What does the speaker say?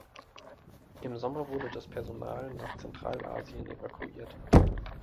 Im Sommer wurde das Personal nach Zentralasien evakuiert.